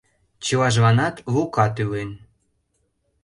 — Чылажланат Лука тӱлен.